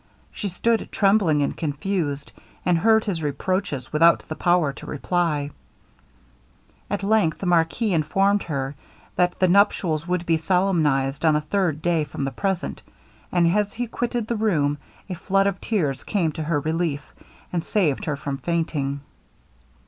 She stood trembling and confused, and heard his reproaches without the power to reply. At length the marquis informed her, that the nuptials would be solemnized on the third day from the present; and as he quitted the room, a flood of tears came to her relief, and saved her from fainting.